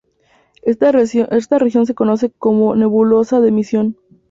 Esta región se conoce como nebulosa de emisión.